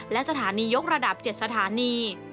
และสถานียกระดับ๗สถานี